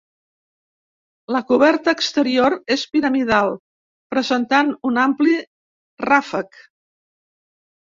La coberta exterior és piramidal presentant un ampli ràfec.